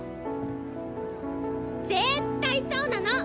絶対そうなの！